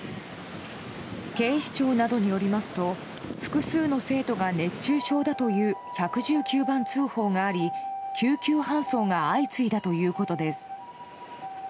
警視庁などによりますと複数の生徒が熱中症だという１１９番通報があり、救急搬送が相次いだということです。